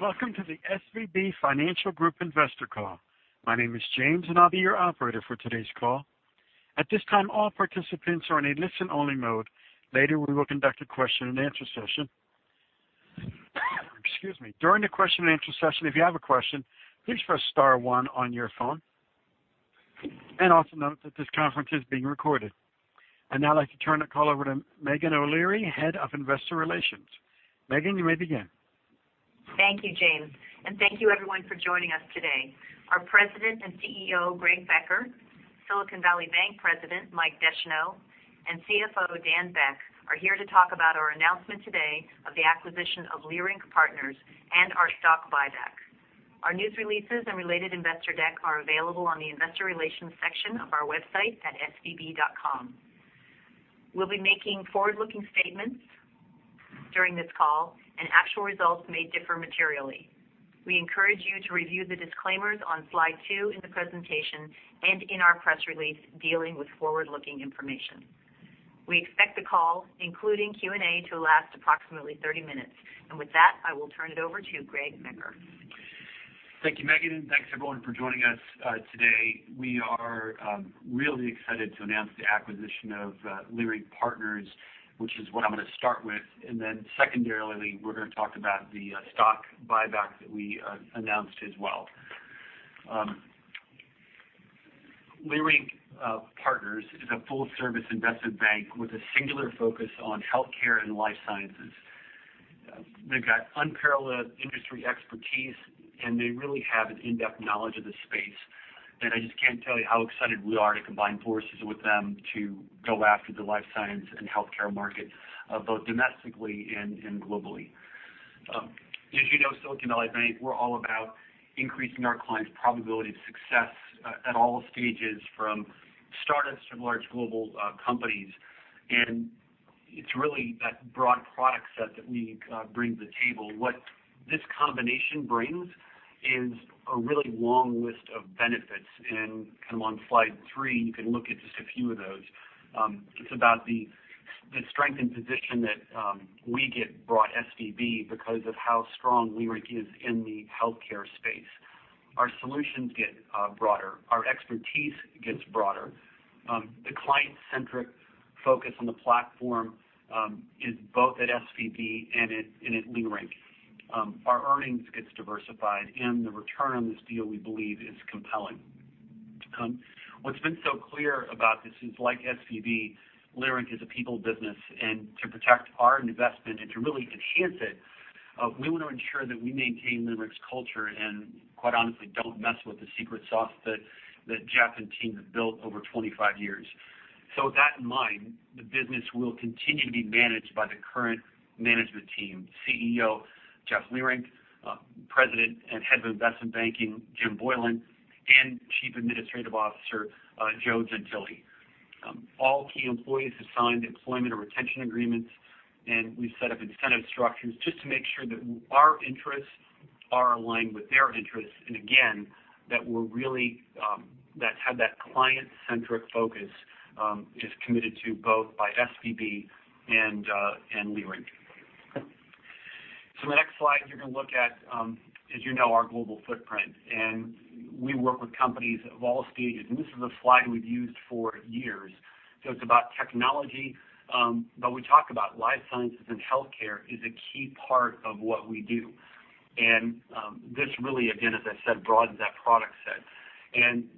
Welcome to the SVB Financial Group investor call. My name is James, and I'll be your operator for today's call. At this time, all participants are in a listen-only mode. Later, we will conduct a question and answer session. Excuse me. During the question and answer session, if you have a question, please press star one on your phone. Also note that this conference is being recorded. Now I'd like to turn the call over to Meghan O'Leary, Head of Investor Relations. Meghan, you may begin. Thank you, James. Thank you everyone for joining us today. Our President and CEO, Greg Becker, Silicon Valley Bank President, Mike Descheneaux, and CFO, Daniel Beck, are here to talk about our announcement today of the acquisition of Leerink Partners and our stock buyback. Our news releases and related investor deck are available on the investor relations section of our website at svb.com. We'll be making forward-looking statements during this call, and actual results may differ materially. We encourage you to review the disclaimers on slide two in the presentation and in our press release dealing with forward-looking information. We expect the call, including Q&A, to last approximately 30 minutes. With that, I will turn it over to Greg Becker. Thank you, Meghan. Thanks, everyone, for joining us today. We are really excited to announce the acquisition of Leerink Partners, which is what I'm going to start with. Then secondarily, we're going to talk about the stock buyback that we announced as well. Leerink Partners is a full-service investment bank with a singular focus on healthcare and life sciences. They've got unparalleled industry expertise, and they really have an in-depth knowledge of the space. I just can't tell you how excited we are to combine forces with them to go after the life science and healthcare market, both domestically and globally. As you know, Silicon Valley Bank, we're all about increasing our clients' probability of success at all stages, from startups to large global companies. It's really that broad product set that we bring to the table. What this combination brings is a really long list of benefits. On slide three, you can look at just a few of those. It's about the strengthened position that we get brought, SVB because of how strong Leerink is in the healthcare space. Our solutions get broader. Our expertise gets broader. The client-centric focus on the platform is both at SVB and at Leerink. Our earnings gets diversified, and the return on this deal, we believe, is compelling. What's been so clear about this is, like SVB, Leerink is a people business. To protect our investment and to really enhance it, we want to ensure that we maintain Leerink's culture and quite honestly, don't mess with the secret sauce that Jeff and team have built over 25 years. With that in mind, the business will continue to be managed by the current management team, CEO Jeff Leerink, President and Head of Investment Banking, James Boylan, and Chief Administrative Officer, Joe Gentile. All key employees have signed employment or retention agreements, and we've set up incentive structures just to make sure that our interests are aligned with their interests. Again, that have that client-centric focus is committed to both by SVB and Leerink. The next slide you're going to look at is our global footprint. We work with companies of all stages. This is a slide we've used for years. It's about technology, we talk about life sciences and healthcare is a key part of what we do. This really, again, as I said, broadens that product set.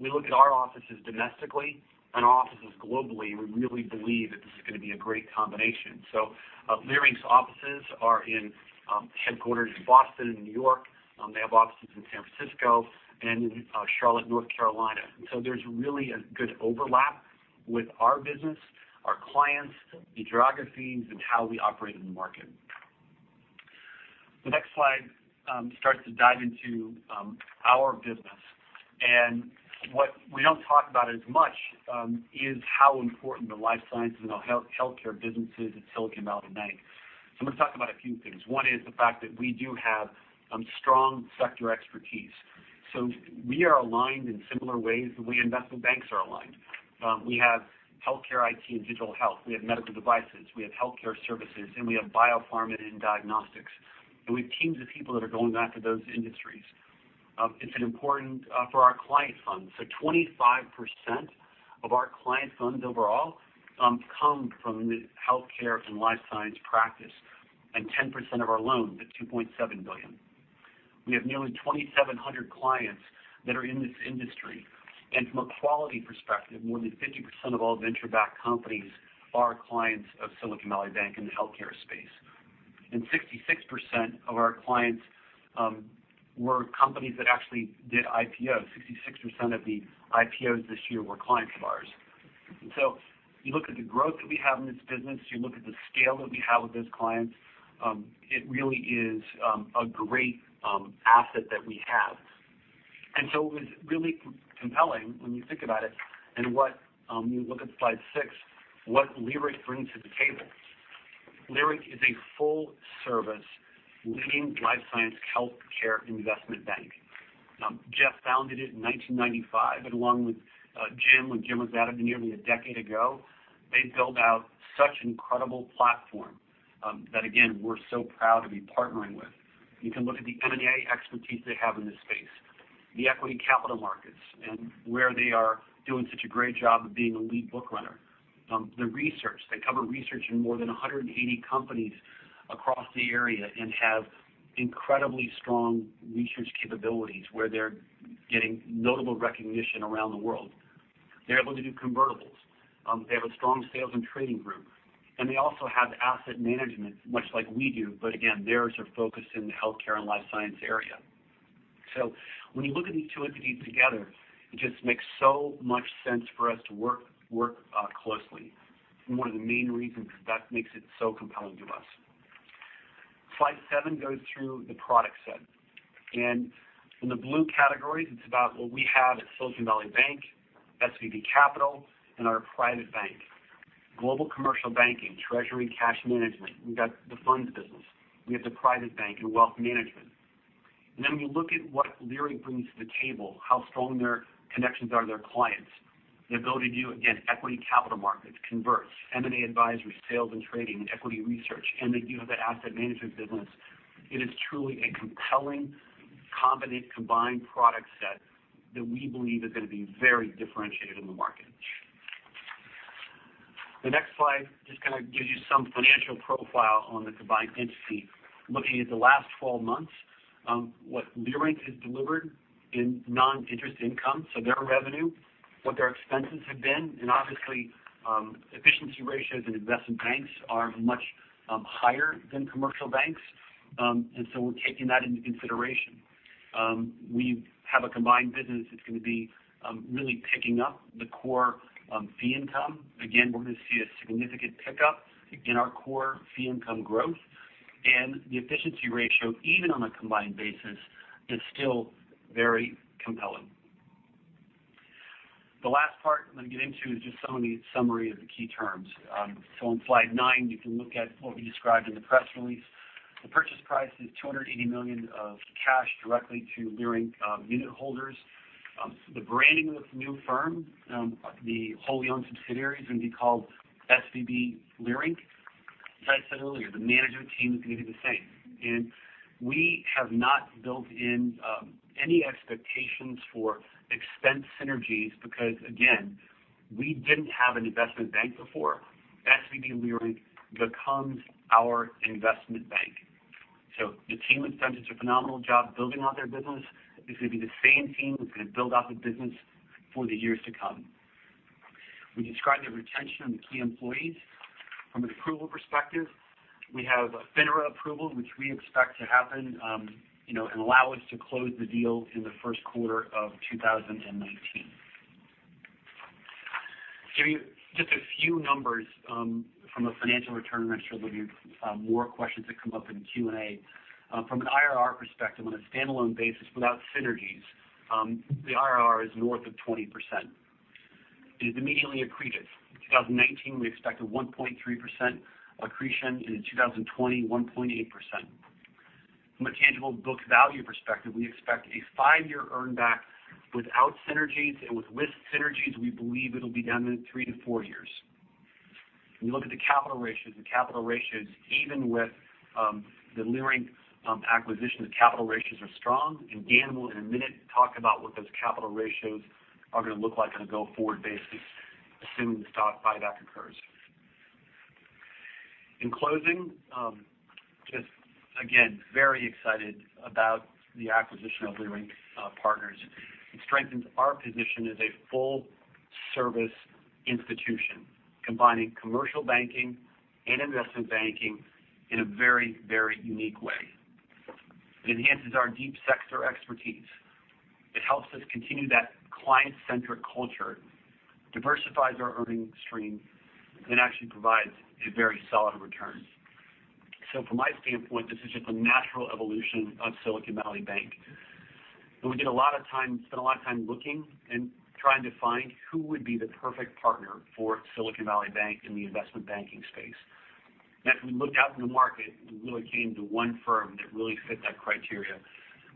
We look at our offices domestically and our offices globally. We really believe that this is going to be a great combination. Leerink's offices are headquartered in Boston and New York. They have offices in San Francisco and Charlotte, North Carolina. There's really a good overlap with our business, our clients, the geographies, and how we operate in the market. The next slide starts to dive into our business. What we don't talk about as much is how important the life sciences and the healthcare business is at Silicon Valley Bank. I'm going to talk about a few things. One is the fact that we do have strong sector expertise. We are aligned in similar ways that we investment banks are aligned. We have healthcare IT and digital health. We have medical devices. We have healthcare services, and we have biopharma and diagnostics. We have teams of people that are going after those industries. It's an important for our client funds. 25% of our client funds overall come from the healthcare and life science practice and 10% of our loans at $2.7 billion. We have nearly 2,700 clients that are in this industry. From a quality perspective, more than 50% of all venture-backed companies are clients of Silicon Valley Bank in the healthcare space. 66% of our clients were companies that actually did IPOs. 66% of the IPOs this year were clients of ours. You look at the growth that we have in this business, you look at the scale that we have with those clients. It really is a great asset that we have. It's really compelling when you think about it and when you look at slide six, what Leerink brings to the table. Leerink is a full-service leading life science healthcare investment bank. Jeff founded it in 1995, and along with Jim, when Jim was added nearly a decade ago, they built out such incredible platform that again, we're so proud to be partnering with. You can look at the M&A expertise they have in this space, the equity capital markets, and where they are doing such a great job of being a lead book runner. The research. They cover research in more than 180 companies across the area and have incredibly strong research capabilities where they're getting notable recognition around the world. They're able to do convertibles. They have a strong sales and trading group. They also have asset management, much like we do, again, theirs are focused in the healthcare and life science area. When you look at these two entities together, it just makes so much sense for us to work closely. One of the main reasons that makes it so compelling to us. Slide seven goes through the product set. In the blue categories, it's about what we have at Silicon Valley Bank, SVB Capital, and our private bank. Global commercial banking, treasury cash management. We've got the funds business. We have the private bank and wealth management. When you look at what Leerink brings to the table, how strong their connections are to their clients, the ability to do, again, equity capital markets, converts, M&A advisory, sales and trading, and equity research. They do have that asset management business. It is truly a compelling, competent, combined product set that we believe is going to be very differentiated in the market. The next slide just kind of gives you some financial profile on the combined entity. Looking at the last 12 months, what Leerink has delivered in non-interest income, so their revenue, what their expenses have been. Obviously, efficiency ratios in investment banks are much higher than commercial banks. We're taking that into consideration. We have a combined business that's going to be really picking up the core fee income. We're going to see a significant pickup in our core fee income growth and the efficiency ratio, even on a combined basis, is still very compelling. The last part I'm going to get into is just some of the summary of the key terms. On slide nine, you can look at what we described in the press release. The purchase price is $280 million of cash directly to Leerink unit holders. The branding of the new firm, the wholly owned subsidiary, is going to be called SVB Leerink. As I said earlier, the management team is going to be the same. We have not built in any expectations for expense synergies because, again, we didn't have an investment bank before. SVB Leerink becomes our investment bank. The team has done such a phenomenal job building out their business. It's going to be the same team that's going to build out the business for the years to come. We described the retention of the key employees. From an approval perspective, we have a FINRA approval, which we expect to happen, allow us to close the deal in the first quarter of 2019. Giving you just a few numbers from a financial return, I'm sure there'll be more questions that come up in the Q&A. From an IRR perspective, on a standalone basis, without synergies, the IRR is north of 20%. It is immediately accretive. In 2019, we expect a 1.3% accretion. In 2020, 1.8%. From a tangible book value perspective, we expect a five-year earn back without synergies. With synergies, we believe it'll be done in three to four years. When you look at the capital ratios, even with the Leerink acquisition, the capital ratios are strong. Dan will, in a minute, talk about what those capital ratios are going to look like on a go-forward basis, assuming the stock buyback occurs. In closing, just again, very excited about the acquisition of Leerink Partners. It strengthens our position as a full-service institution, combining commercial banking and investment banking in a very unique way. It enhances our deep sector expertise. It helps us continue that client-centric culture, diversifies our earning stream, and actually provides a very solid return. From my standpoint, this is just a natural evolution of Silicon Valley Bank. We spent a lot of time looking and trying to find who would be the perfect partner for Silicon Valley Bank in the investment banking space. As we looked out in the market, we really came to one firm that really fit that criteria,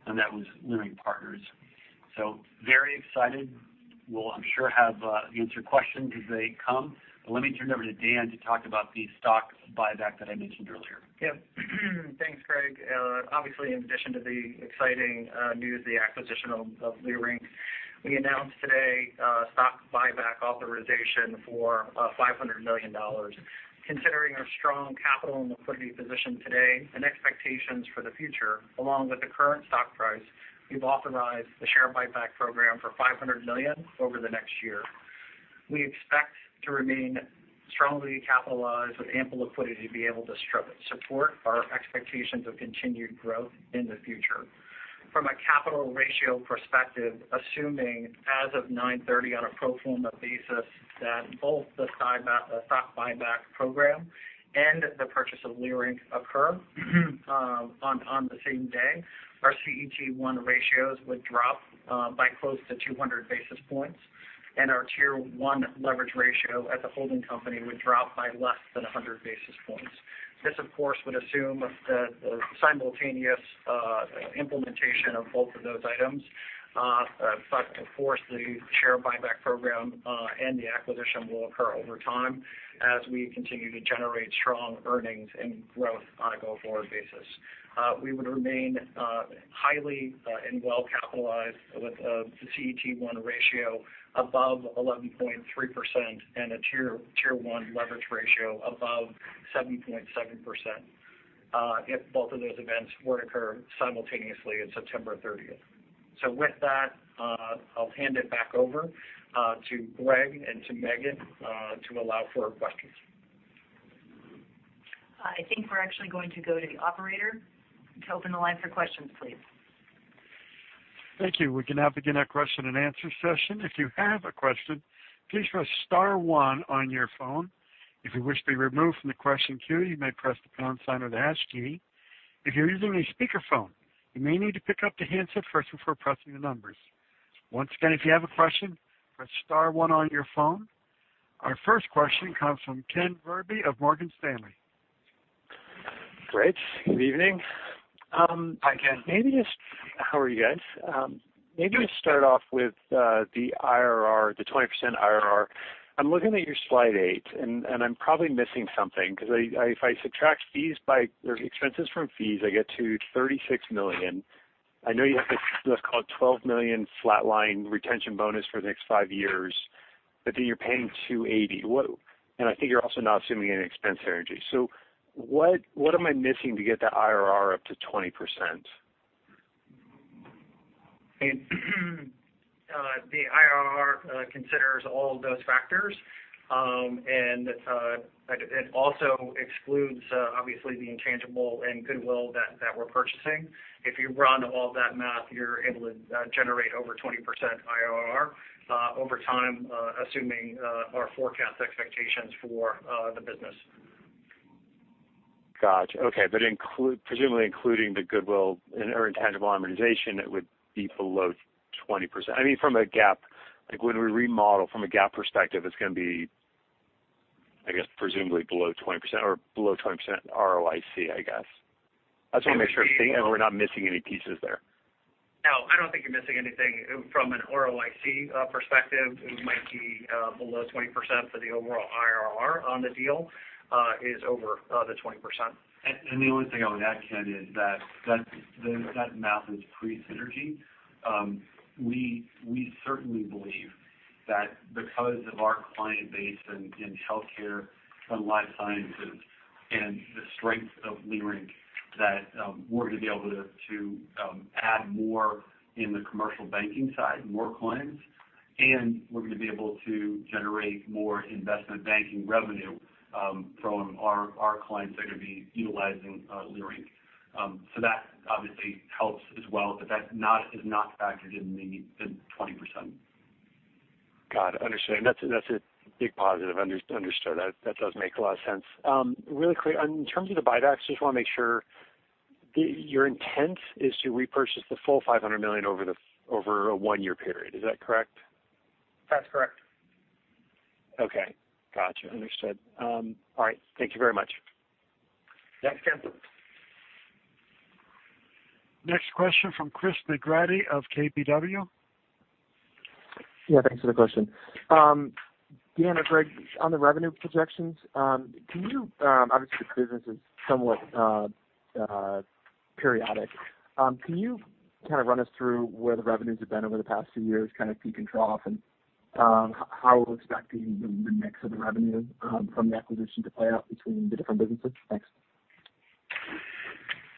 and that was Leerink Partners. Very excited. We'll, I'm sure, have answer questions as they come. Let me turn it over to Dan to talk about the stock buyback that I mentioned earlier. Thanks, Greg. Obviously, in addition to the exciting news, the acquisition of Leerink, we announced today a stock buyback authorization for $500 million. Considering our strong capital and liquidity position today and expectations for the future, along with the current stock price, we've authorized the share buyback program for $500 million over the next year. We expect to remain strongly capitalized with ample liquidity to be able to support our expectations of continued growth in the future. From a capital ratio perspective, assuming as of 9/30 on a pro forma basis that both the stock buyback program and the purchase of Leerink occur on the same day, our CET1 ratios would drop by close to 200 basis points. Our Tier 1 leverage ratio at the holding company would drop by less than 100 basis points. This, of course, would assume the simultaneous implementation of both of those items. Of course, the share buyback program and the acquisition will occur over time as we continue to generate strong earnings and growth on a go-forward basis. We would remain highly and well capitalized with a CET1 ratio above 11.3% and a Tier 1 leverage ratio above 7.7%, if both of those events were to occur simultaneously on September 30th. With that, I'll hand it back over to Greg and to Meghan to allow for questions. I think we're actually going to go to the operator to open the line for questions, please. Thank you. We can now begin our question and answer session. If you have a question, please press star one on your phone. If you wish to be removed from the question queue, you may press the pound sign or the hash key. If you're using a speakerphone, you may need to pick up the handset first before pressing the numbers. Once again, if you have a question, press star one on your phone. Our first question comes from Kenneth Zerbe of Morgan Stanley. Great. Good evening. Hi, Ken. How are you guys? Maybe just start off with the 20% IRR. I'm looking at your slide eight. I'm probably missing something because if I subtract expenses from fees, I get to $36 million. I know you have this, let's call it, $12 million flatline retention bonus for the next five years. You're paying $280. I think you're also not assuming any expense synergy. What am I missing to get that IRR up to 20%? The IRR considers all of those factors. It also excludes, obviously, the intangible and goodwill that we're purchasing. If you run all that math, you're able to generate over 20% IRR over time, assuming our forecast expectations for the business. Got you. Okay. Presumably including the goodwill or intangible amortization, it would be below 20%. When we remodel from a GAAP perspective, it's going to be, I guess, presumably below 20% or below 20% ROIC, I guess. I just want to make sure we're not missing any pieces there. No, I don't think you're missing anything from an ROIC perspective. It might be below 20% for the overall IRR on the deal is over the 20%. The only thing I would add, Ken, is that that math is pre-synergy. We certainly believe that because of our client base in healthcare and life sciences and the strength of Leerink, that we're going to be able to add more in the commercial banking side, more clients, and we're going to be able to generate more investment banking revenue from our clients that are going to be utilizing Leerink. That obviously helps as well, but that is not factored in the 20%. Got it. Understood. That's a big positive. Understood. That does make a lot of sense. Really quick, in terms of the buybacks, just want to make sure, your intent is to repurchase the full $500 million over a one-year period. Is that correct? That's correct. Okay. Got you. Understood. All right. Thank you very much. Yeah. Thanks, Ken. Next question from Christopher McGratty of KBW. Yeah, thanks for the question. Dan or Greg, on the revenue projections, obviously the business is somewhat periodic. Can you kind of run us through where the revenues have been over the past two years, kind of peak and trough, and how we're expecting the mix of the revenue from the acquisition to play out between the different businesses? Thanks.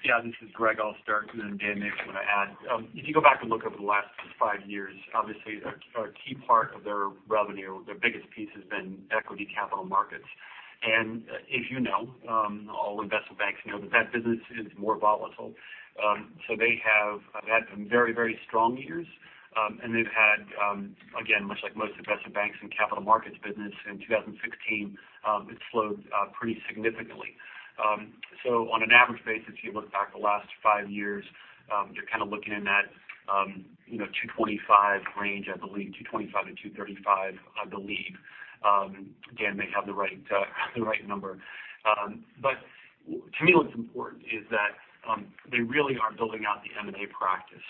Yeah, this is Greg. I'll start. Dan may have something to add. If you go back and look over the last five years, obviously a key part of their revenue, their biggest piece has been equity capital markets. As you know, all investment banks know that that business is more volatile. They have had some very strong years, and they've had, again, much like most investment banks and capital markets business in 2016, it slowed pretty significantly. On an average basis, you look back the last five years, you're kind of looking in that $225 range, I believe, $225 to $235, I believe. Dan may have the right number. To me, what's important is that they really are building out the M&A practice.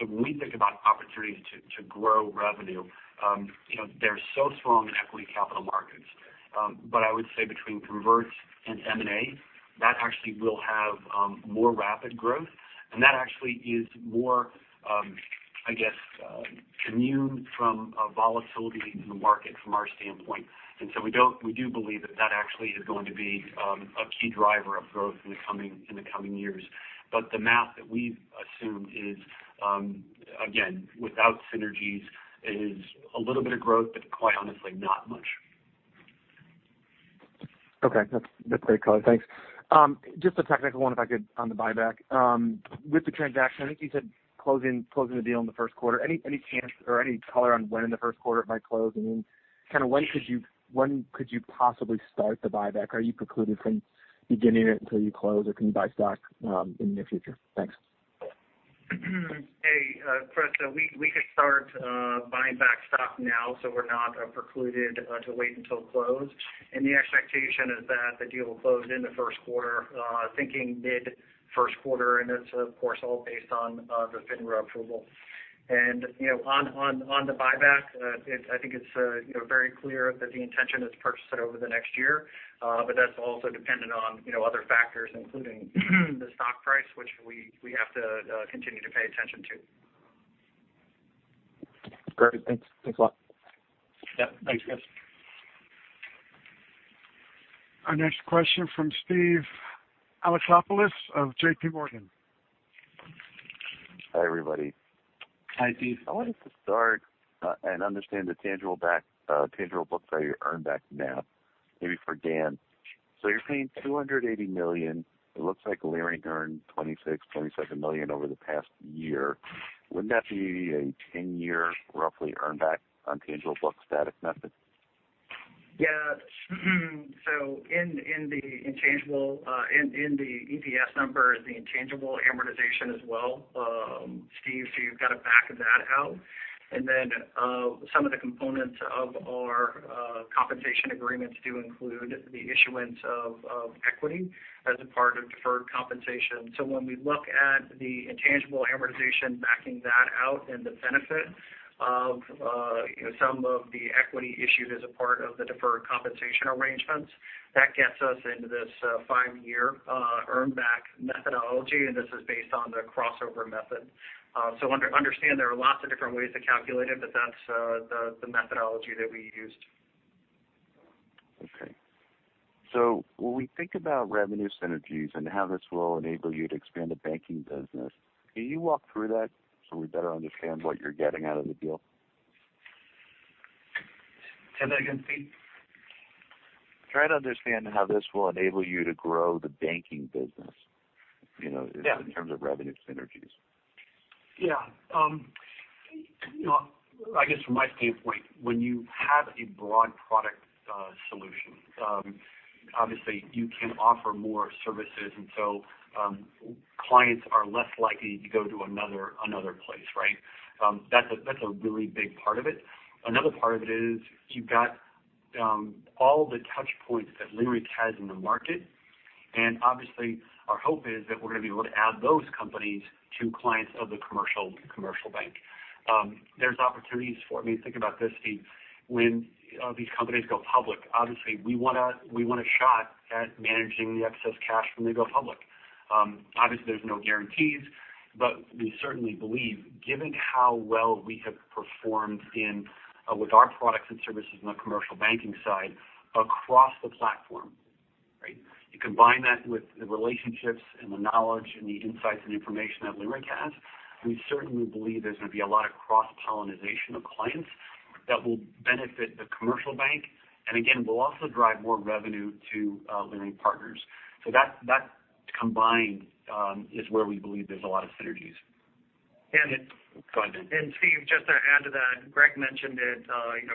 When we think about opportunities to grow revenue, they're so strong in equity capital markets. I would say between converts and M&A, that actually will have more rapid growth. That actually is more, I guess, immune from volatility in the market from our standpoint. So we do believe that that actually is going to be a key driver of growth in the coming years. The math that we've assumed is, again, without synergies, is a little bit of growth, but quite honestly, not much. Okay. That's great color. Thanks. Just a technical one, if I could, on the buyback. With the transaction, I think you said closing the deal in the first quarter. Any chance or any color on when in the first quarter it might close? When could you possibly start the buyback? Are you precluded from beginning it until you close, or can you buy stock in the near future? Thanks. Hey, Chris. We could start buying back stock now, so we're not precluded to wait until close. The expectation is that the deal will close in the first quarter, thinking mid first quarter, and that's, of course, all based on the FINRA approval. On the buyback, I think it's very clear that the intention is to purchase it over the next year. That's also dependent on other factors, including the stock price, which we have to continue to pay attention to. Great. Thanks a lot. Yeah. Thanks, Chris. Our next question from Steve Alexopoulos of JPMorgan. Hi, everybody. Hi, Steve. I wanted to start and understand the tangible books that you earn back now. Maybe for Dan. You're saying $280 million. It looks like Leerink earned $26 million, $27 million over the past year. Wouldn't that be a 10-year roughly earn back on tangible books static method? Yeah. In the EPS number is the intangible amortization as well, Steve, so you've got to back that out. Some of the components of our compensation agreements do include the issuance of equity as a part of deferred compensation. When we look at the intangible amortization backing that out and the benefit of some of the equity issued as a part of the deferred compensation arrangements, that gets us into this five-year earn back methodology, and this is based on the crossover method. Understand there are lots of different ways to calculate it, but that's the methodology that we used. Okay. When we think about revenue synergies and how this will enable you to expand the banking business, can you walk through that so we better understand what you're getting out of the deal? Say that again, Steve. Trying to understand how this will enable you to grow the banking business Yeah in terms of revenue synergies. Yeah. I guess from my standpoint, when you have a broad product solution, obviously you can offer more services and so clients are less likely to go to another place, right? That's a really big part of it. Another part of it is you've got all the touch points that Leerink has in the market. Obviously, our hope is that we're going to be able to add those companies to clients of the commercial bank. There's opportunities for it. I mean, think about this, Steve. When these companies go public, obviously we want a shot at managing the excess cash when they go public. Obviously, there's no guarantees, but we certainly believe given how well we have performed with our products and services on the commercial banking side across the platform, right? You combine that with the relationships and the knowledge and the insights and information that Leerink has, we certainly believe there's going to be a lot of cross-pollenization of clients that will benefit the commercial bank. Again, will also drive more revenue to Leerink Partners. That combined is where we believe there's a lot of synergies. Go ahead, Dan. Steve, just to add to that, Greg mentioned it,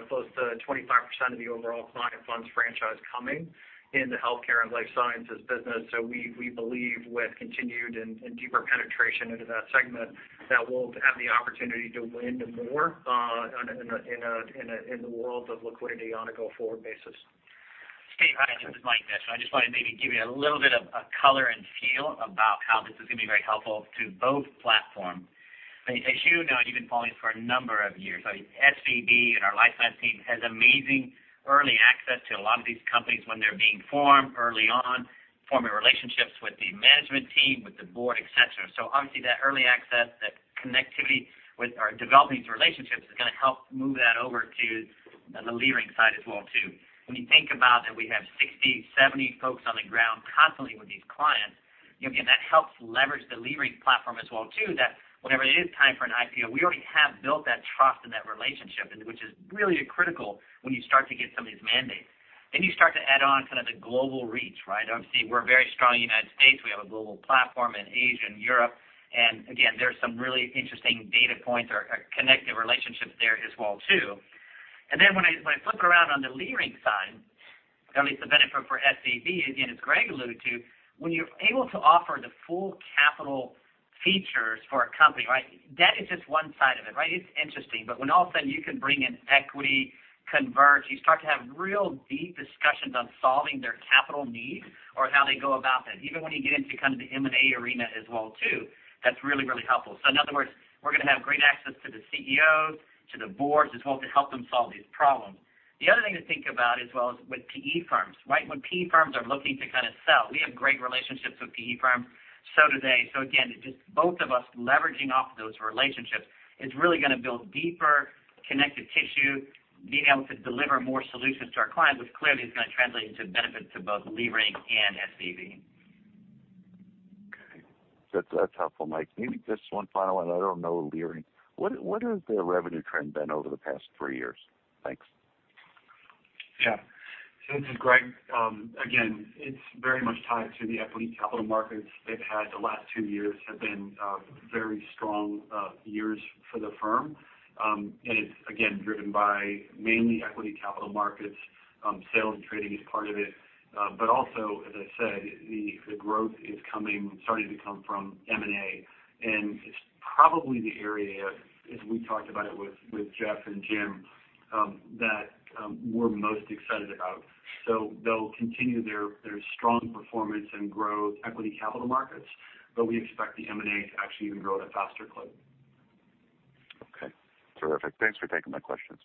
close to 25% of the overall client funds franchise coming in the healthcare and life sciences business. We believe with continued and deeper penetration into that segment, that we'll have the opportunity to win more in the world of liquidity on a go-forward basis. Steve, hi, this is Mike Descheneaux. I just want to maybe give you a little bit of color and feel about how this is going to be very helpful to both platforms. As you know, and you've been following for a number of years, SVB and our life science team has amazing early access to a lot of these companies when they're being formed early on, forming relationships with the management team, with the board, et cetera. Obviously that early access, that connectivity with or developing these relationships is going to help move that over to the Leerink side as well, too. When you think about that we have 60, 70 folks on the ground constantly with these clients, again, that helps leverage the Leerink platform as well, too. That whenever it is time for an IPO, we already have built that trust and that relationship and which is really critical when you start to get some of these mandates. You start to add on kind of the global reach, right? Obviously, we're very strong in the U.S. We have a global platform in Asia and Europe. Again, there's some really interesting data points or connective relationships there as well, too. When I flip it around on the Leerink side, at least the benefit for SVB, again, as Greg alluded to, when you're able to offer the full capital features for a company, right? Debt is just one side of it, right? It's interesting. When all of a sudden you can bring in equity, converts, you start to have real deep discussions on solving their capital needs or how they go about that, even when you get into kind of the M&A arena as well too. That's really, really helpful. In other words, we're going to have great access to the CEOs, to the boards as well, to help them solve these problems. The other thing to think about as well is with PE firms, right? When PE firms are looking to kind of sell, we have great relationships with PE firms. Do they. Again, it's just both of us leveraging off those relationships is really going to build deeper connective tissue, being able to deliver more solutions to our clients, which clearly is going to translate into benefits to both Leerink and SVB. Okay. That's helpful, Mike. Maybe just one final one. I don't know Leerink. What has their revenue trend been over the past three years? Thanks. Yeah. This is Greg. Again, it's very much tied to the equity capital markets they've had. The last two years have been very strong Years for the firm. It's, again, driven by mainly equity capital markets. Sales and trading is part of it. Also, as I said, the growth is starting to come from M&A, and it's probably the area, as we talked about it with Jeff and Jim, that we're most excited about. They'll continue their strong performance and growth equity capital markets, but we expect the M&A to actually even grow at a faster clip. Okay. Terrific. Thanks for taking my questions.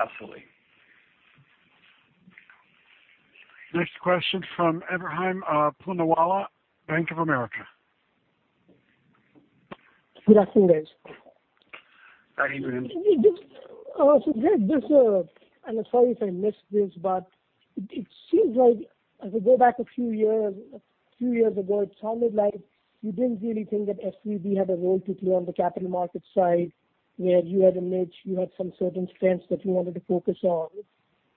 Absolutely. Next question from Ebrahim Poonawala, Bank of America. Good afternoon, guys. Hi, Ebrahim. Greg, I'm sorry if I missed this, but it seems like as I go back a few years ago, it sounded like you didn't really think that SVB had a role to play on the capital market side, where you had a niche, you had some certain strengths that you wanted to focus on.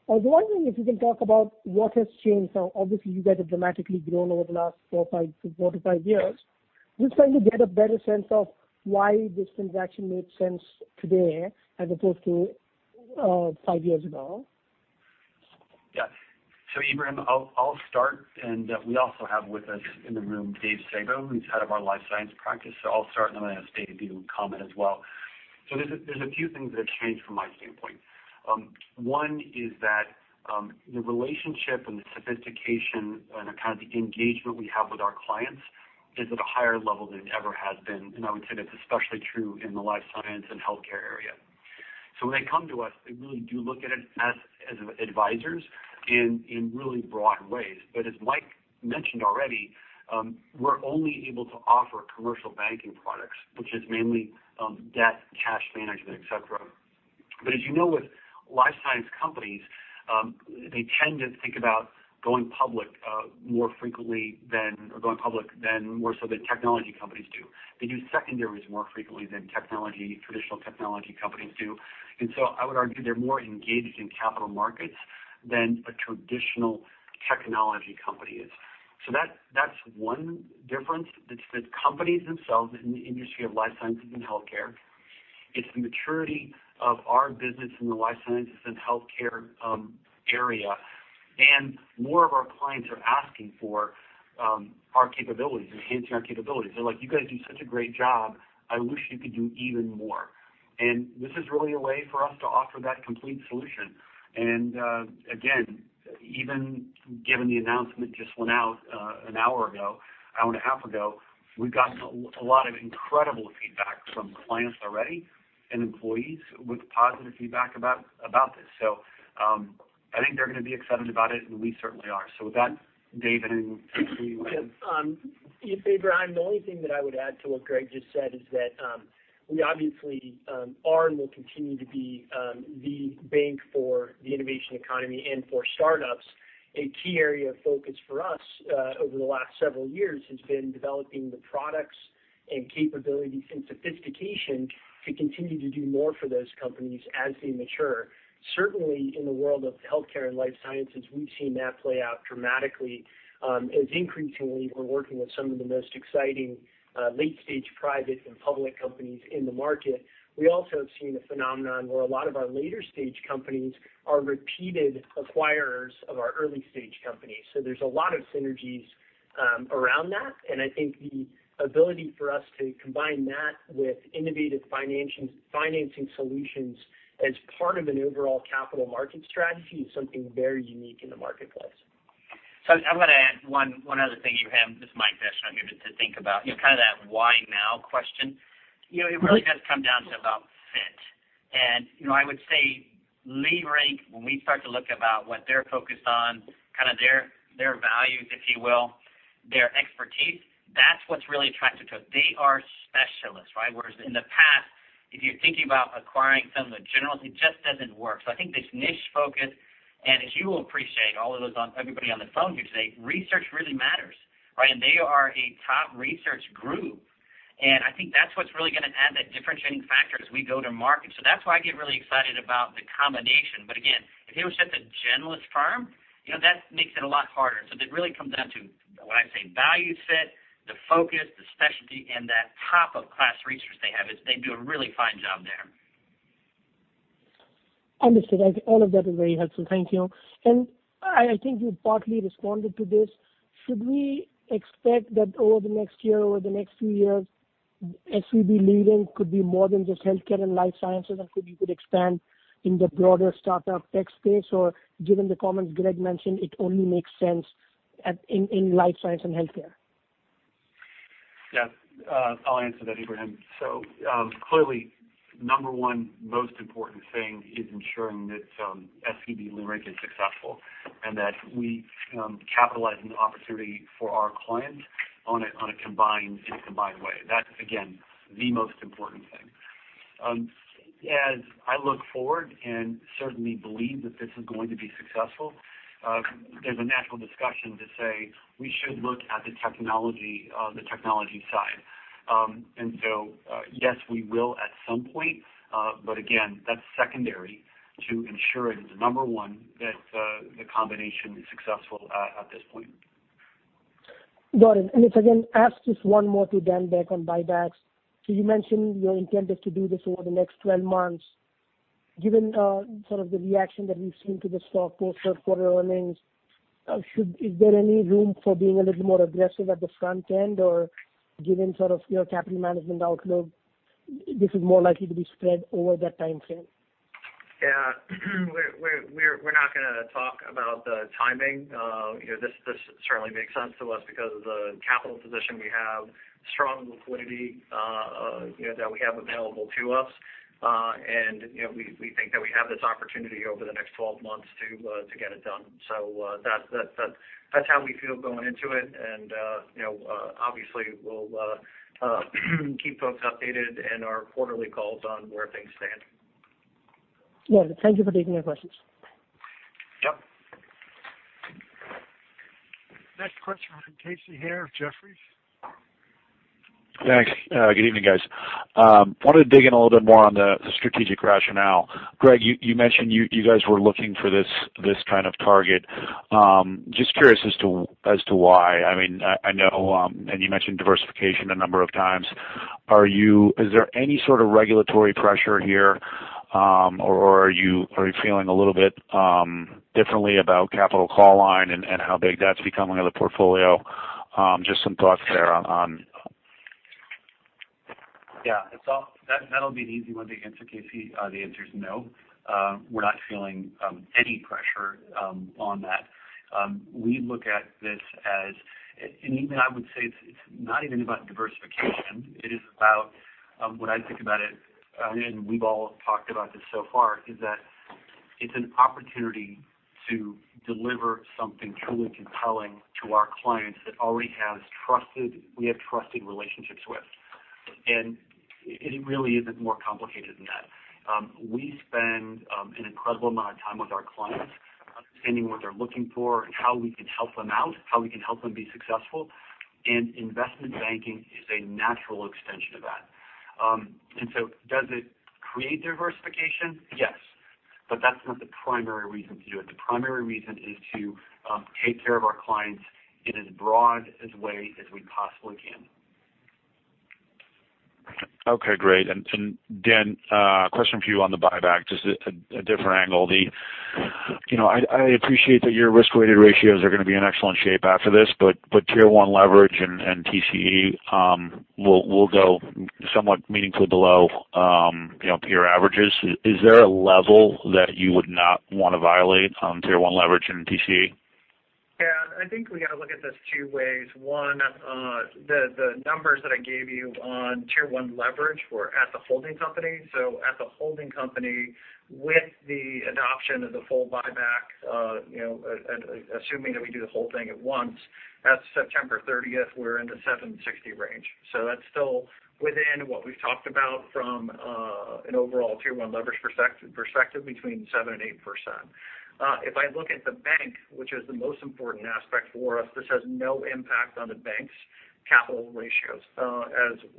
I was wondering if you can talk about what has changed. Now, obviously, you guys have dramatically grown over the last four to five years. Just trying to get a better sense of why this transaction made sense today as opposed to five years ago. Ebrahim, I'll start, and we also have with us in the room David Sabow, who's head of our life science practice. I'll start, I'm going to have Dave give you a comment as well. There's a few things that have changed from my standpoint. One is that the relationship and the sophistication and the kind of engagement we have with our clients is at a higher level than it ever has been, and I would say that's especially true in the life science and healthcare area. When they come to us, they really do look at it as advisors in really broad ways. As Mike mentioned already, we're only able to offer commercial banking products, which is mainly debt, cash management, et cetera. As you know, with life science companies, they tend to think about going public more so than technology companies do. They do secondaries more frequently than traditional technology companies do. I would argue they're more engaged in capital markets than a traditional technology company is. That's one difference. It's the companies themselves in the industry of life sciences and healthcare. It's the maturity of our business in the life sciences and healthcare area. More of our clients are asking for our capabilities, enhancing our capabilities. They're like, "You guys do such a great job. I wish you could do even more." This is really a way for us to offer that complete solution. Again, even given the announcement just went out an hour and a half ago, we've gotten a lot of incredible feedback from clients already and employees with positive feedback about this. I think they're going to be excited about it, and we certainly are. With that, Dave, I don't know if you want to- Yeah. Ebrahim, the only thing that I would add to what Greg just said is that we obviously are and will continue to be the bank for the innovation economy and for startups. A key area of focus for us over the last several years has been developing the products and capabilities and sophistication to continue to do more for those companies as they mature. Certainly, in the world of healthcare and life sciences, we've seen that play out dramatically. As increasingly we're working with some of the most exciting late-stage private and public companies in the market. We also have seen a phenomenon where a lot of our later-stage companies are repeated acquirers of our early-stage companies. There's a lot of synergies around that. I think the ability for us to combine that with innovative financing solutions as part of an overall capital market strategy is something very unique in the marketplace. I'm going to add one other thing, Ibrahim. This is Mike Descheneaux here, to think about kind of that why now question. It really does come down to about fit. I would say, Leerink, when we start to look about what they're focused on, kind of their values, if you will, their expertise, that's what's really attractive to us. They are specialists, right? Whereas in the past, if you're thinking about acquiring some of the generals, it just doesn't work. I think this niche focus, and as you will appreciate, all of those on everybody on the phone here today, research really matters, right? They are a top research group. I think that's what's really going to add that differentiating factor as we go to market. That's why I get really excited about the combination. Again, if it was just a generalist firm, that makes it a lot harder. It really comes down to what I say, value fit, the focus, the specialty, and that top of class research they have. They do a really fine job there. Understood. I think all of that is very helpful. Thank you. I think you partly responded to this. Should we expect that over the next year, over the next few years, SVB Leerink could be more than just healthcare and life sciences, and could you expand in the broader startup tech space? Given the comments Greg mentioned, it only makes sense in life science and healthcare? I'll answer that, Ebrahim. Clearly, number one most important thing is ensuring that SVB Leerink is successful and that we capitalize on the opportunity for our client in a combined way. That's, again, the most important thing. As I look forward and certainly believe that this is going to be successful, there's a natural discussion to say we should look at the technology side. Yes, we will at some point. Again, that's secondary to ensuring, number one, that the combination is successful at this point. Got it. If I can ask just one more to Dan Beck on buybacks. You mentioned your intent is to do this over the next 12 months. Given sort of the reaction that we've seen to the stock post third quarter earnings, is there any room for being a little more aggressive at the front end or given sort of your capital management outlook, this is more likely to be spread over that timeframe? We're not going to talk about the timing. This certainly makes sense to us because of the capital position we have, strong liquidity that we have available to us. We think that we have this opportunity over the next 12 months to get it done. That's how we feel going into it. Obviously we'll keep folks updated in our quarterly calls on where things stand. Got it. Thank you for taking the questions. Yep. Next question from Casey Haire of Jefferies. Thanks. Good evening, guys. I wanted to dig in a little bit more on the strategic rationale. Greg, you mentioned you guys were looking for this kind of target. I'm just curious as to why. I know you mentioned diversification a number of times. Is there any sort of regulatory pressure here? Are you feeling a little bit differently about capital call line and how big that's becoming of the portfolio? Just some thoughts there on. Yeah. That'll be an easy one to answer, Casey. The answer's no. We're not feeling any pressure on that. We look at this as, and even I would say it's not even about diversification. It is about when I think about it, and we've all talked about this so far, is that it's an opportunity to deliver something truly compelling to our clients that already we have trusted relationships with. It really isn't more complicated than that. We spend an incredible amount of time with our clients understanding what they're looking for and how we can help them out, how we can help them be successful. Investment banking is a natural extension of that. Does it create diversification? Yes, but that's not the primary reason to do it. The primary reason is to take care of our clients in as broad as way as we possibly can. Okay, great. Dan, a question for you on the buyback, just a different angle. I appreciate that your risk-weighted ratios are going to be in excellent shape after this, Tier 1 leverage and TCE will go somewhat meaningfully below peer averages. Is there a level that you would not want to violate on Tier 1 leverage and TCE? I think we got to look at this two ways. One, the numbers that I gave you on Tier 1 leverage were at the holding company. At the holding company, with the adoption of the full buyback, assuming that we do the whole thing at once, as of September 30th, we're in the 760 range. That's still within what we've talked about from an overall Tier 1 leverage perspective between 7% and 8%. If I look at the bank, which is the most important aspect for us, this has no impact on the bank's capital ratios.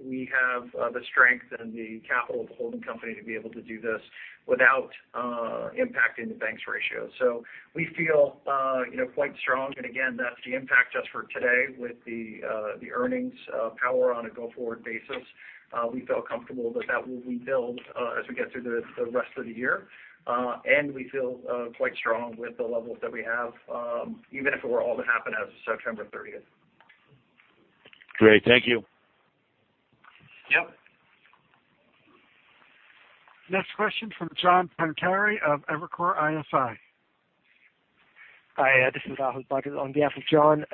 We have the strength and the capital of the holding company to be able to do this without impacting the bank's ratio. We feel quite strong. Again, that's the impact just for today with the earnings power on a go-forward basis. We feel comfortable that that will rebuild as we get through the rest of the year. We feel quite strong with the levels that we have, even if it were all to happen as of September 30th. Great. Thank you. Yep. Next question from John Pancari of Evercore ISI. Hi. This is Rahul Patel on behalf of John.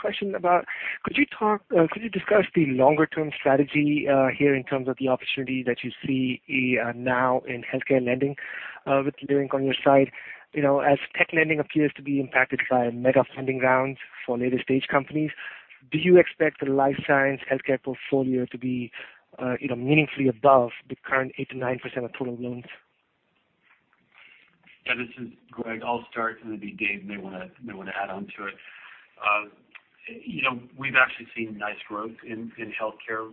Question about could you discuss the longer-term strategy here in terms of the opportunity that you see now in healthcare lending with Leerink on your side? As tech lending appears to be impacted by mega funding rounds for later stage companies, do you expect the life science healthcare portfolio to be meaningfully above the current 8%-9% of total loans? Yeah, this is Greg. I'll start, and then Dave may want to add on to it. We've actually seen nice growth in healthcare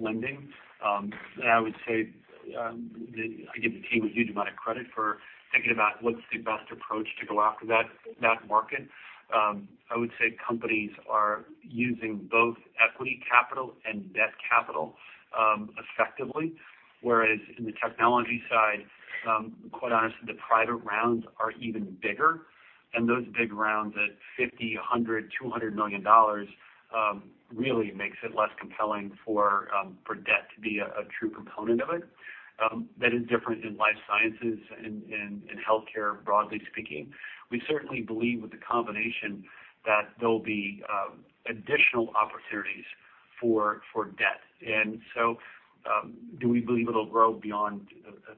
lending. I would say that I give the team a huge amount of credit for thinking about what's the best approach to go after that market. I would say companies are using both equity capital and debt capital effectively. Whereas in the technology side, quite honestly, the private rounds are even bigger. Those big rounds at $50, $100, $200 million really makes it less compelling for debt to be a true component of it. That is different in life sciences and in healthcare, broadly speaking. We certainly believe with the combination that there'll be additional opportunities for debt. Do we believe it'll grow beyond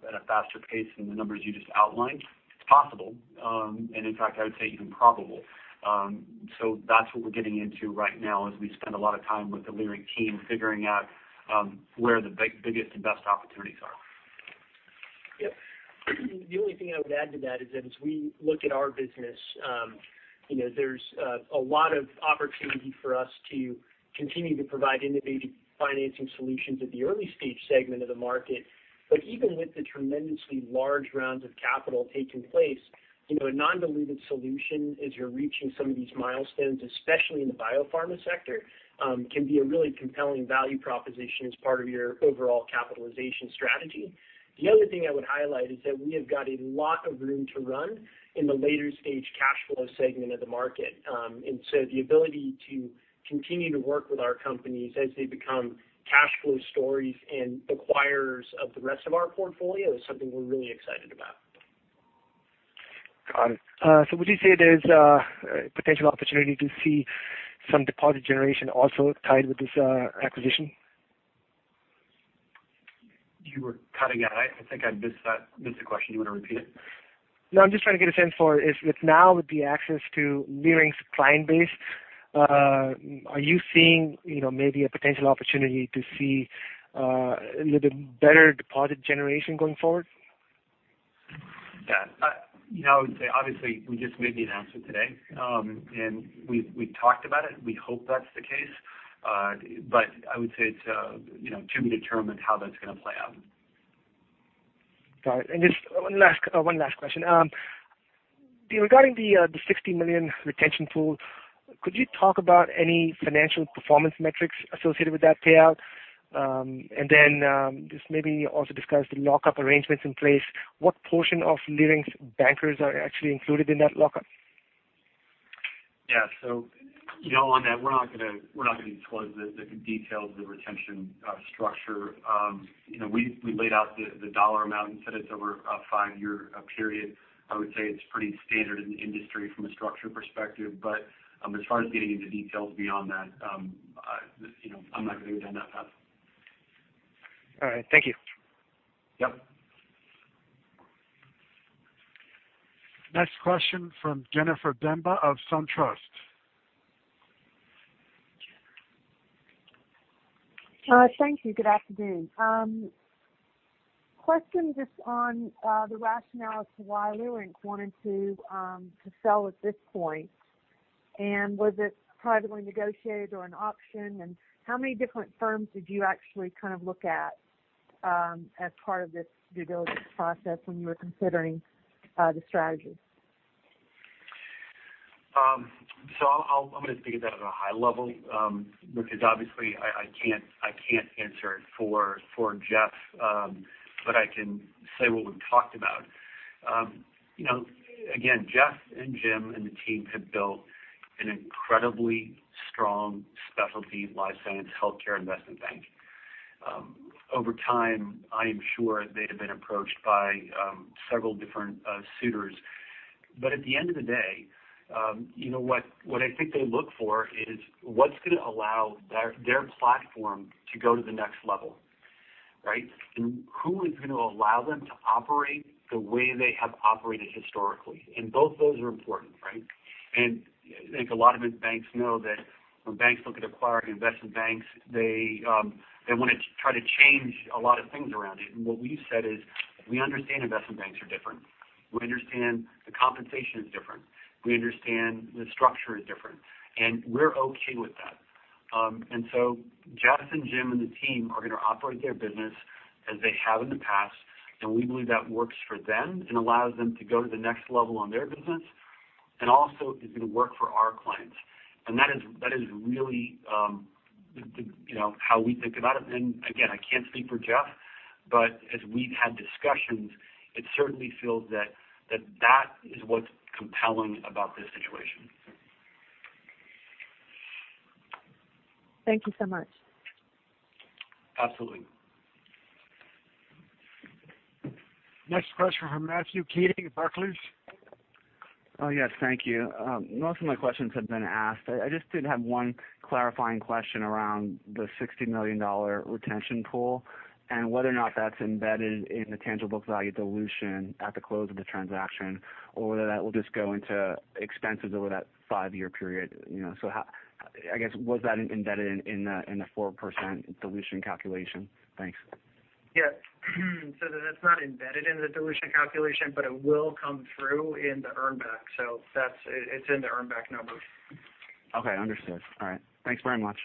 at a faster pace than the numbers you just outlined? It's possible. In fact, I would say even probable. That's what we're getting into right now as we spend a lot of time with the Leerink team figuring out where the biggest and best opportunities are. Yep. The only thing I would add to that is that as we look at our business, there's a lot of opportunity for us to continue to provide innovative financing solutions at the early stage segment of the market. Even with the tremendously large rounds of capital taking place, a non-dilutive solution as you're reaching some of these milestones, especially in the biopharma sector, can be a really compelling value proposition as part of your overall capitalization strategy. The other thing I would highlight is that we have got a lot of room to run in the later stage cash flow segment of the market. The ability to continue to work with our companies as they become cash flow stories and acquirers of the rest of our portfolio is something we're really excited about. Got it. Would you say there's a potential opportunity to see some deposit generation also tied with this acquisition? You were cutting out. I think I missed the question. Do you want to repeat it? I'm just trying to get a sense for, with now with the access to Leerink's client base, are you seeing maybe a potential opportunity to see a little bit better deposit generation going forward? I would say, obviously, we just made the announcement today. We've talked about it. We hope that's the case. I would say it's to be determined how that's going to play out. Got it. Just one last question. Regarding the $60 million retention pool, could you talk about any financial performance metrics associated with that payout? Just maybe also discuss the lockup arrangements in place. What portion of Leerink's bankers are actually included in that lockup? On that, we're not going to disclose the details of the retention structure. We laid out the dollar amount and said it's over a five-year period. I would say it's pretty standard in the industry from a structure perspective. As far as getting into details beyond that, I'm not going to do that now. All right. Thank you. Yep. Next question from Jennifer Demba of SunTrust. Thank you. Good afternoon. Question just on the rationale as to why Leerink wanted to sell at this point, was it privately negotiated or an auction, and how many different firms did you actually look at as part of this due diligence process when you were considering the strategy? I'm going to speak to that at a high level because obviously I can't answer it for Jeff, but I can say what we've talked about. Again, Jeff and Jim and the team have built an incredibly strong specialty life science healthcare investment bank. Over time, I am sure they'd have been approached by several different suitors. At the end of the day, what I think they look for is what's going to allow their platform to go to the next level, right? Who is going to allow them to operate the way they have operated historically. Both those are important, right? I think a lot of banks know that when banks look at acquiring investment banks, they want to try to change a lot of things around it. What we've said is we understand investment banks are different. We understand the compensation is different. We understand the structure is different, and we're okay with that. So Jeff and Jim and the team are going to operate their business as they have in the past, and we believe that works for them and allows them to go to the next level on their business and also is going to work for our clients. That is really how we think about it. Again, I can't speak for Jeff, but as we've had discussions, it certainly feels that that is what's compelling about this situation. Thank you so much. Absolutely. Next question from Matthew Keating, Barclays. Yes. Thank you. Most of my questions have been asked. I just did have one clarifying question around the $60 million retention pool and whether or not that's embedded in the tangible book value dilution at the close of the transaction or whether that will just go into expenses over that five-year period. I guess, was that embedded in the 4% dilution calculation? Thanks. Yeah. That's not embedded in the dilution calculation, but it will come through in the earn back. It's in the earn back numbers. Okay. Understood. All right. Thanks very much.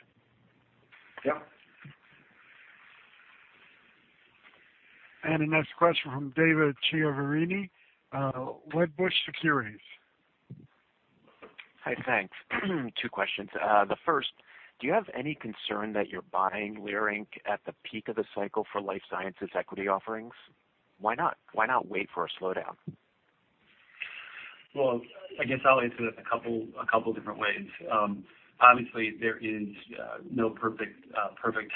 Yep. The next question from David Chiaverini, Wedbush Securities. Hi. Thanks. Two questions. The first, do you have any concern that you're buying Leerink at the peak of the cycle for life sciences equity offerings? Why not wait for a slowdown? Well, I guess I'll answer that a couple of different ways. Obviously, there is no perfect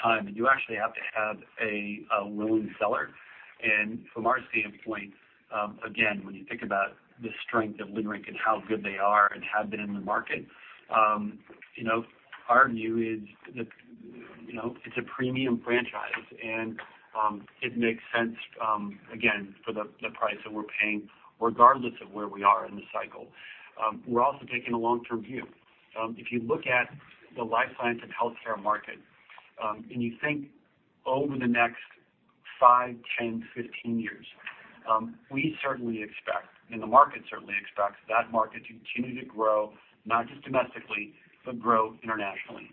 time, you actually have to have a willing seller. From our standpoint, again, when you think about the strength of Leerink and how good they are and have been in the market, our view is it's a premium franchise, and it makes sense, again, for the price that we're paying, regardless of where we are in the cycle. We're also taking a long-term view. If you look at the life science and healthcare market. You think over the next five, 10, 15 years. We certainly expect, and the market certainly expects that market to continue to grow, not just domestically, but grow internationally.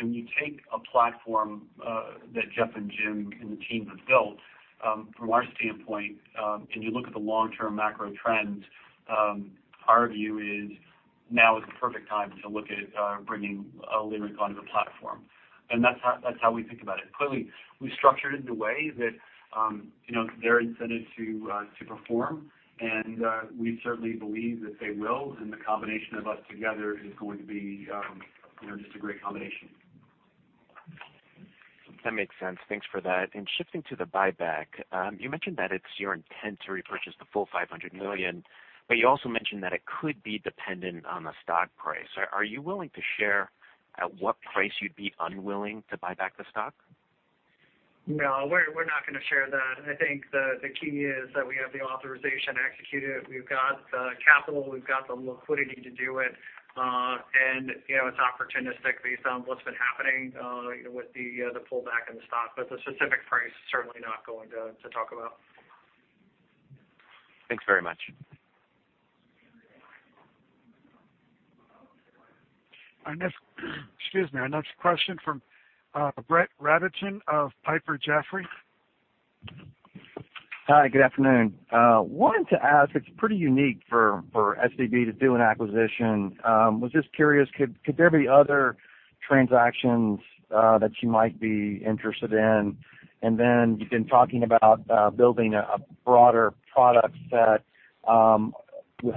When you take a platform that Jeff and Jim and the team have built, from our standpoint, you look at the long-term macro trends, our view is now is the perfect time to look at bringing Leerink onto the platform. That's how we think about it. Clearly, we structured it in a way that they're incented to perform, we certainly believe that they will, the combination of us together is going to be just a great combination. That makes sense. Thanks for that. Shifting to the buyback, you mentioned that it's your intent to repurchase the full $500 million, you also mentioned that it could be dependent on the stock price. Are you willing to share at what price you'd be unwilling to buy back the stock? No, we're not going to share that. I think the key is that we have the authorization to execute it. We've got the capital, we've got the liquidity to do it. It's opportunistic based on what's been happening with the pullback in the stock. The specific price, certainly not going to talk about. Thanks very much. Excuse me. Our next question from Brett Radigan of Piper Sandler. Hi, good afternoon. Wanted to ask, it's pretty unique for SVB to do an acquisition. Was just curious, could there be other transactions that you might be interested in? Then you've been talking about building a broader product set.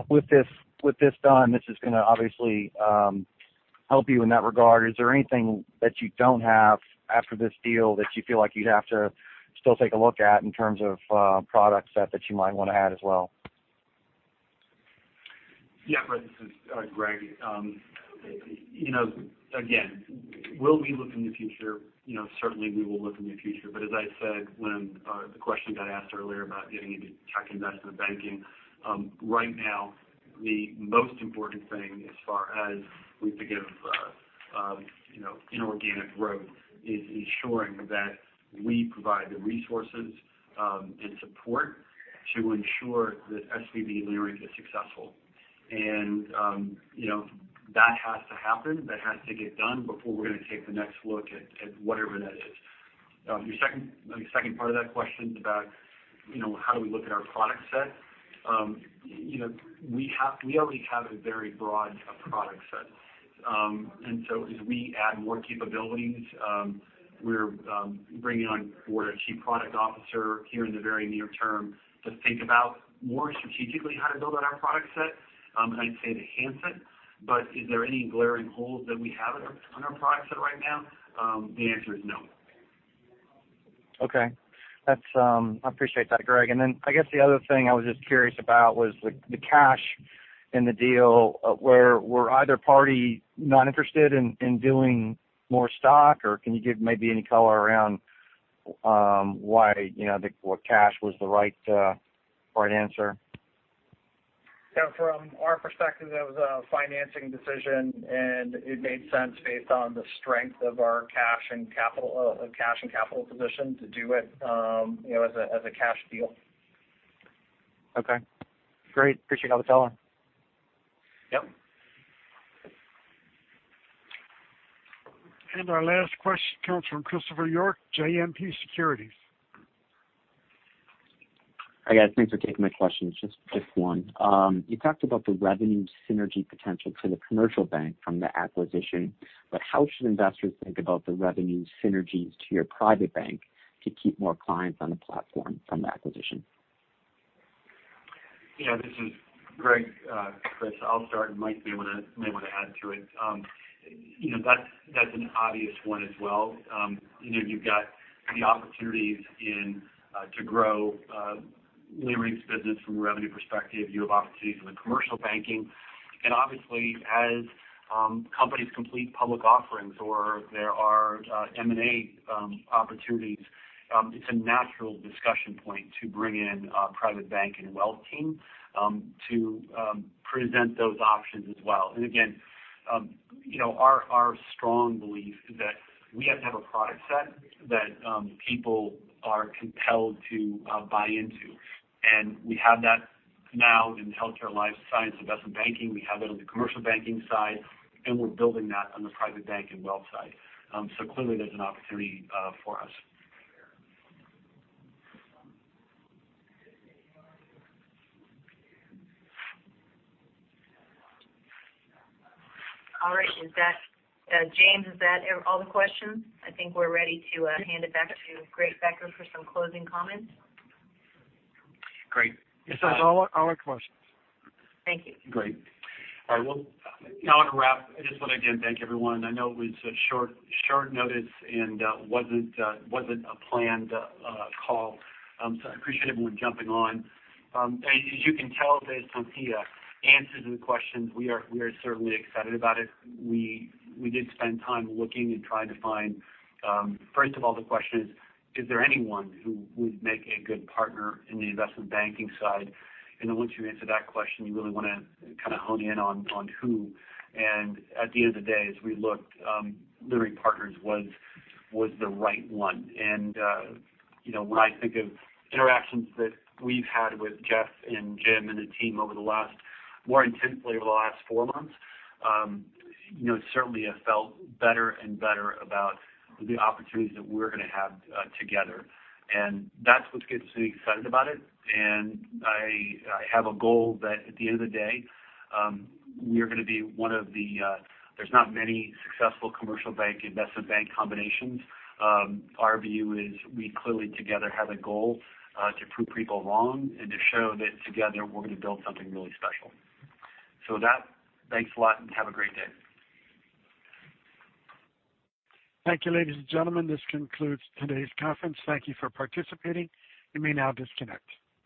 With this done, this is going to obviously help you in that regard. Is there anything that you don't have after this deal that you feel like you'd have to still take a look at in terms of product set that you might want to add as well? Yeah, Brett. This is Greg. Again, will we look in the future? Certainly, we will look in the future. As I said when the question got asked earlier about getting into tech investment banking, right now, the most important thing as far as we think of inorganic growth is ensuring that we provide the resources and support to ensure that SVB Leerink is successful. That has to happen, that has to get done before we're going to take the next look at whatever that is. Your second part of that question is about how do we look at our product set. We already have a very broad product set. So as we add more capabilities, we're bringing on board a Chief Product Officer here in the very near term to think about more strategically how to build out our product set, and I'd say to enhance it. Is there any glaring holes that we have on our product set right now? The answer is no. Okay. I appreciate that, Greg. Then I guess the other thing I was just curious about was the cash in the deal. Were either party not interested in doing more stock, or can you give maybe any color around why cash was the right answer? From our perspective, that was a financing decision, and it made sense based on the strength of our cash and capital position to do it as a cash deal. Okay. Great. Appreciate all the color. Yep. Our last question comes from Christopher York, JMP Securities. Hi, guys. Thanks for taking my questions. Just one. You talked about the revenue synergy potential to the commercial bank from the acquisition, but how should investors think about the revenue synergies to your private bank to keep more clients on the platform from the acquisition? This is Greg. Chris, I'll start, and Mike may want to add to it. That's an obvious one as well. You've got the opportunities to grow Leerink's business from a revenue perspective. You have opportunities in the commercial banking. Obviously, as companies complete public offerings or there are M&A opportunities, it's a natural discussion point to bring in a private bank and wealth team to present those options as well. Again, our strong belief is that we have to have a product set that people are compelled to buy into. We have that now in the healthcare life science investment banking. We have it on the commercial banking side, and we're building that on the private bank and wealth side. Clearly there's an opportunity for us. All right. James, is that all the questions? I think we're ready to hand it back to Greg Becker for some closing comments. Great. Yes, that's all our questions. Thank you. Great. All right. Now I want to wrap. I just want to, again, thank everyone. I know it was short notice and wasn't a planned call. I appreciate everyone jumping on. As you can tell based on the answers and questions, we are certainly excited about it. We did spend time looking and trying to find, first of all, the question is there anyone who would make a good partner in the investment banking side? Then once you answer that question, you really want to kind of hone in on who. At the end of the day, as we looked, Leerink Partners was the right one. When I think of interactions that we've had with Jeff and Jim and the team more intensely over the last four months, certainly have felt better and better about the opportunities that we're going to have together. That's what gets me excited about it. I have a goal that at the end of the day, there's not many successful commercial bank investment bank combinations. Our view is we clearly together have a goal to prove people wrong and to show that together we're going to build something really special. With that, thanks a lot and have a great day. Thank you, ladies and gentlemen. This concludes today's conference. Thank you for participating. You may now disconnect.